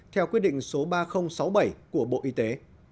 theo quyết định số ba nghìn sáu mươi bảy của bộ y tế